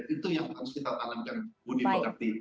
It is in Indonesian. itu yang harus kita tanamkan muda berarti